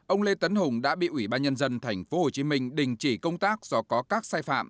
ông lê tấn hùng đã bị ủy ban nhân dân tp hcm đình chỉ công tác do có các sai phạm